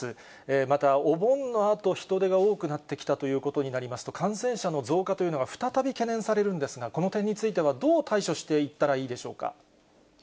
またお盆のあと、人出が多くなってきたということになりますと、感染者の増加というのが再び懸念されるんですが、この点については、どう対処していったらいいでしょうか。